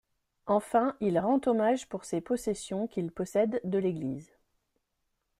Enfin, il rend hommage pour ses possessions qu'il possède de l'Église.